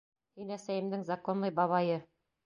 Һин әсәйемдең законный бабайы!